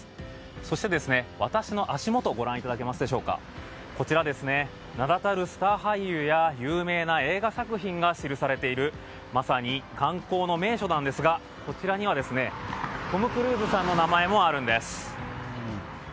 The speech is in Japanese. そして私の足元をご覧いただくとこちら、名だたるスター俳優や有名な映画作品が記されているまさに観光の名所なんですがこちらにはトム・クルーズさんの名前もあるんです。